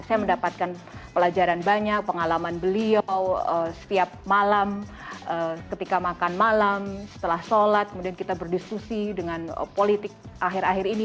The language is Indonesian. saya mendapatkan pelajaran banyak pengalaman beliau setiap malam ketika makan malam setelah sholat kemudian kita berdiskusi dengan politik akhir akhir ini